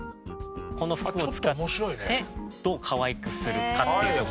この服を使ってどう可愛くするかっていう。